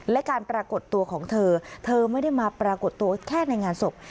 และการปรากฏตัวของเธอเธอไม่ได้มาปรากฏตัวแค่ในงานศพ